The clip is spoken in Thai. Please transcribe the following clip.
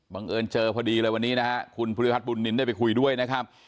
บังเอิญเจอพอดีเลยวันนี้นะฮะคุณภูริพัฒนบุญนินได้ไปคุยด้วยนะครับ